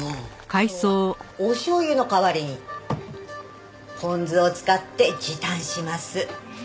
今日はおしょう油の代わりにポン酢を使って時短します。